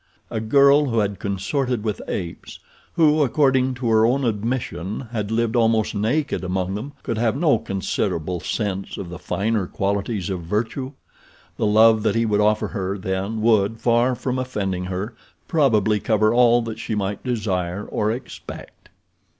A girl who had consorted with apes, who, according to her own admission, had lived almost naked among them, could have no considerable sense of the finer qualities of virtue. The love that he would offer her, then, would, far from offending her, probably cover all that she might desire or expect.